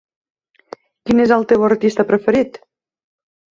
Qui és el teu artista preferit?